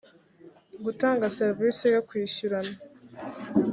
gutanga serivisi yo kwishyurana